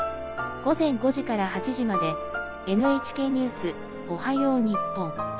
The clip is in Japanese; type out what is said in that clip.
「午前５時から８時まで『ＮＨＫニュースおはよう日本』。